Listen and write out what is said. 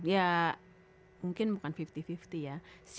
ya mungkin bukan lima puluh lima puluh ya